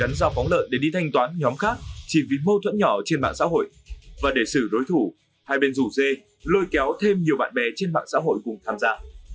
chúng lợn để đi thanh toán nhóm khác chỉ vì mâu thuẫn nhỏ trên mạng xã hội và để xử đối thủ hai bên rủ dê lôi kéo thêm nhiều bạn bè trên mạng xã hội cùng tham gia